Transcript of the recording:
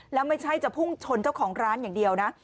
แล้วไม่ใช่จะพุ่งชนเจ้าของร้านอย่างเดียวนะ